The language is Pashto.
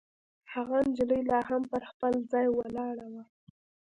هغه نجلۍ لا هم پر خپل ځای ولاړه وه.